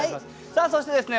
さあそしてですね